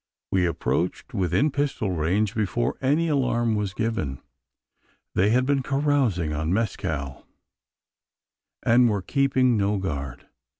We approached within pistol range before any alarm was given. They had been carousing on mezcal, and were keeping no guard.